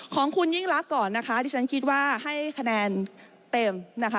ของคุณยิ่งรักก่อนนะคะที่ฉันคิดว่าให้คะแนนเต็มนะคะ